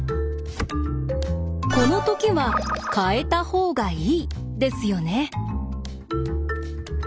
このときは変えた方がいいですよね？